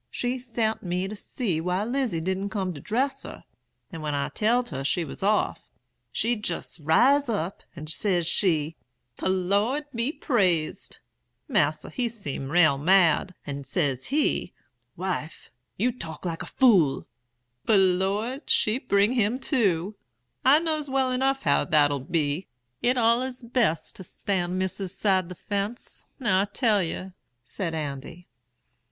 She sent me to see why Lizy didn't come to dress her; and when I telled her she was off, she jes ris up, and ses she, "The Lord be praised!" Mas'r he seemed rael mad; and ses he, "Wife, you talk like a fool." But, Lor! she'll bring him to. I knows well enough how that'll be. It's allers best to stand Missis's side the fence, now I tell yer,' said Andy.